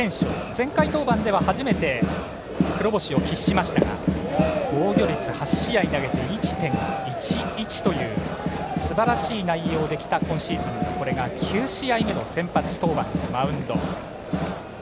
前回登板では初めて黒星を喫しましたが防御率８試合投げて１．１１というすばらしい内容で来た今シーズン、これが９試合目の先発登板のマウンド。